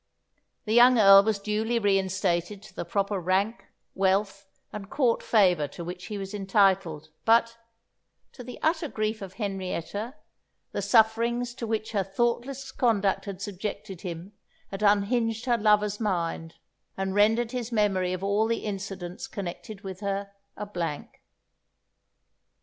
The young Earl was duly reinstated to the proper rank, wealth, and Court favour to which he was entitled; but, to the utter grief of Henrietta, the sufferings to which her thoughtless conduct had subjected him had unhinged her lover's mind, and rendered his memory of all the incidents connected with her a blank.